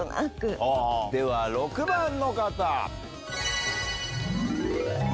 では６番の方。